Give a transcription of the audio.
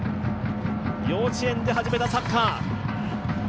幼稚園で始めたサッカー。